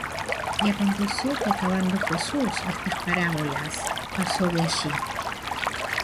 Y aconteció que acabando Jesús estas parábolas, pasó de allí.